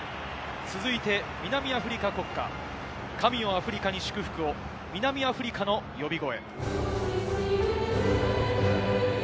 続いて南アフリカ国歌、『神よ、アフリカに祝福を』、『南アフリカの呼び声』。